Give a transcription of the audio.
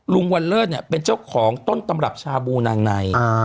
วันเลิศเนี่ยเป็นเจ้าของต้นตำรับชาบูนางใน